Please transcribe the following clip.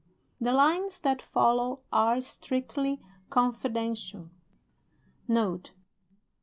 The lines that follow are strictly confidential: "Note.